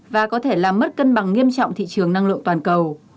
và có thể làm mất cân bằng nghiêm trọng thị trường năng lượng toàn cầu